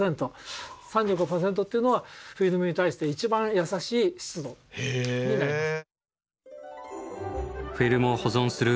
３５％っていうのはフィルムに対して一番優しい湿度になります。